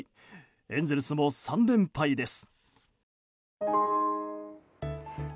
エンゼルスも３連敗です。